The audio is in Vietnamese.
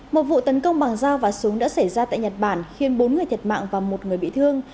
một vụ tấn công bằng dao và súng đã xảy ra tại nhật bản khiến bốn người thiệt mạng và một người bị thương